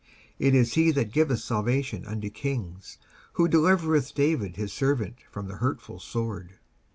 19:144:010 It is he that giveth salvation unto kings: who delivereth David his servant from the hurtful sword.